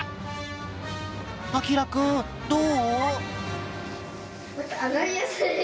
あきらくんどう？